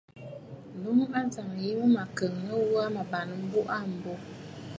Lâ, ǹloŋ ajàŋ yìi mə mə̀ kɔ̀ŋə gho aa, mə bàŋnə̀ m̀buꞌu aa m̀bô.